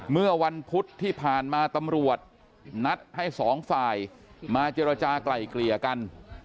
เมื่อวันพุธที่ผ่านมาตำรวจนัดให้สองฝ่ายมาเจรจากลายเกลี่ยกัน